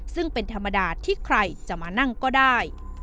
ซึ่งเป็นธรรมดาที่ใครจะมานั่งก็ได้